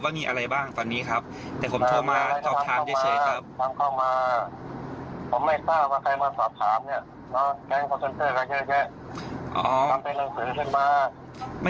วันนี้เขามาพวกผมตามมีแสดงตัวออกมา